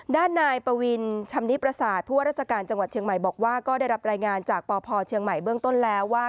ด้านนายปวินชำนิประสาทผู้ว่าราชการจังหวัดเชียงใหม่บอกว่าก็ได้รับรายงานจากปพเชียงใหม่เบื้องต้นแล้วว่า